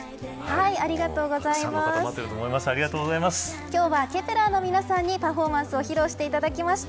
たくさんの方々が今日はＫｅｐ１ｅｒの皆さんにパフォーマンスを披露していただきました。